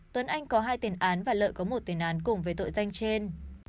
tuấn anh có hai tiền án và lợi có một tiền án cùng với tội danh trên